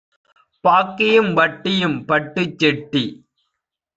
பாக்கியும் வட்டியும் பட்டுச் செட்டி